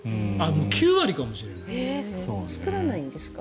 ９割かもしれない。